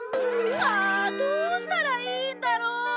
あどうしたらいいんだろう！